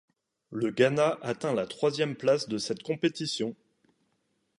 Le Ghana atteint la troisième place de cette compétition.